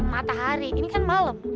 matahari ini kan malam